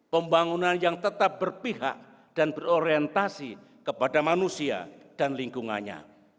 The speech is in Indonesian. kita harus mengorientasi kepada manusia dan lingkungannya